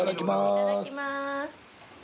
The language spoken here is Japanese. いただきます。